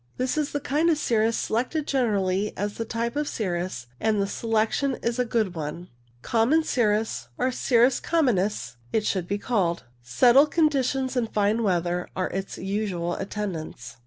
This is the kind of cirrus selected generally as the type of cirrus, and the selection is a good one. Common cirrus, or cirrus communis, it should be called. Settled conditions and fine weather are its usual attendants.